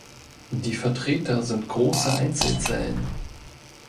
Die Vertreter sind große Einzelzellen.